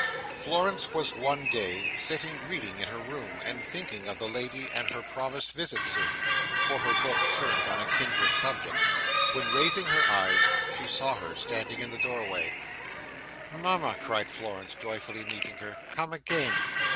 Florence was, one day, sitting reading in her room, and thinking of the lady and her promised visit soon—for her book turned on a kindred subject—when, raising her eyes, she saw her standing in the doorway. "Mama!" cried Florence, joyfully meeting her. "Come again!"